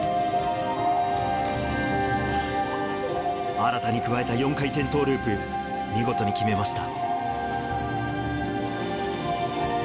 新たに加えた４回転トーループ、見事に決めました。